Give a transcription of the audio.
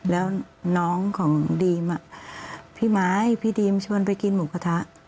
แล้วน้องของดีมพี่ไม้พี่ดีมชวนไปกินหมูกระทะ